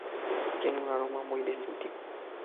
Tiene un aroma muy distintivo.